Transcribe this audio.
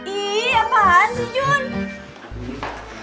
iya apaan sih jun